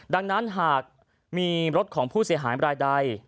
ดังนั้นหากมีรถของผู้เสียหายรายใด